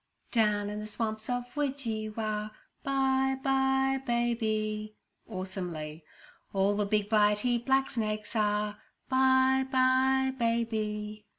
'Down in the swamps of Widgiewa— 'By by, baby. (Awesomely) 'All the big, bitey, black snakes are— 'By by, baby.